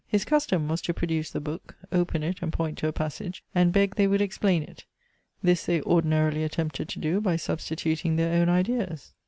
His custom was to produce the book, open it and point to a passage, and beg they would explain it. This they ordinarily attempted to do by substituting their own ideas.